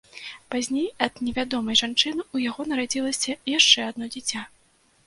Пазней ад невядомай жанчыны ў яго нарадзілася яшчэ адно дзіця.